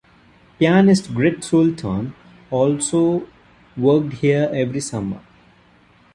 Pianist Grete Sultan also worked here every summer.